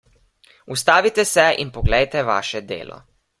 Ustavite se in poglejte vaše delo.